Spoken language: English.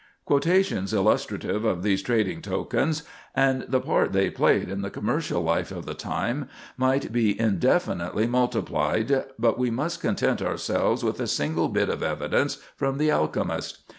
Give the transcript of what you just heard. Quotations illustrative of these trading tokens and the part they played in the commercial life of the time might be indefinitely multiplied; but we must content ourselves with a single bit of evidence from "The Alchemist."